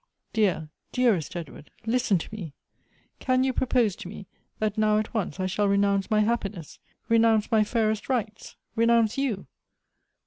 Dear, dearest Edward ! listen to me — can you propose to me, that now at once I shall renounce my happiness ! re nounce my fairest rights! renounce you